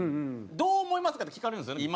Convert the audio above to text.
「どう思いますか？」って聞かれるんですよね